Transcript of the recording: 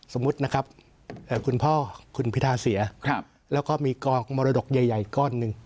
สมมุตินะครับคุณพ่อคุณพิทาเสียแล้วก็มีกองมรดกใหญ่ก้อนหนึ่ง